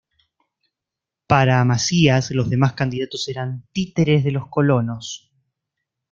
Para Macías, los demás candidatos eran "títeres de los colonos".